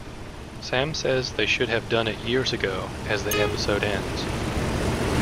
Sam says they should have done it years ago as the episode ends.